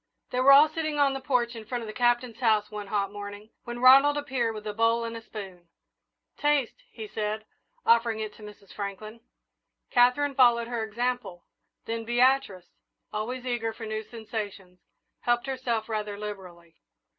They were all sitting on the porch in front of the Captain's house one hot morning, when Ronald appeared with a bowl and a spoon. "Taste," he said, offering it to Mrs. Franklin. Katherine followed her example, then Beatrice, always eager for new sensations, helped herself rather liberally.